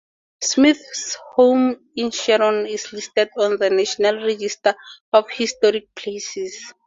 Smith's home in Sharon is listed on the National Register of Historic Places.